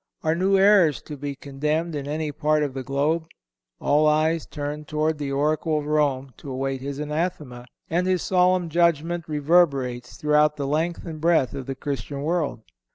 Are new errors to be condemned in any part of the globe? All eyes turn toward the oracle of Rome to await his anathema, and his solemn judgment reverberates throughout the length and breath of the Christian world.